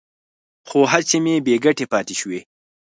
خو هڅې مې بې ګټې پاتې شوې.